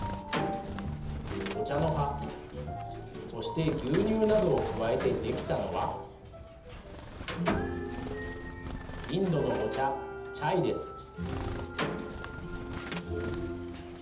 お茶の葉、そして牛乳などを加えて、出来たのはインドのお茶、チャイです。